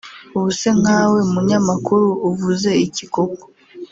ubu se nkawe munyamakuru uvuze iki koko